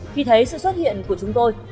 khi thấy sự xuất hiện của chúng tôi